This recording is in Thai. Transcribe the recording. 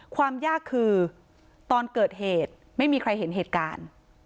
ความยากคือตอนเกิดเหตุไม่มีใครเห็นเหตุการณ์